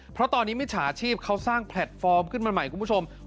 เพราะตอนนี้มิจฉาชีพเขาสร้างแพลตฟอร์มขึ้นมาใหม่คุณผู้ชม